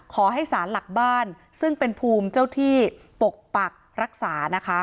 ขอให้สารหลักบ้านซึ่งเป็นภูมิเจ้าที่ปกปักรักษานะคะ